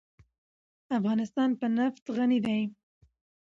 افغانستان په نفت غني دی.